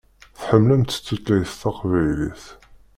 Tḥemmlemt tutlayt taqbaylit.